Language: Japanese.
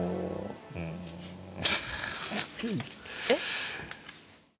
えっ？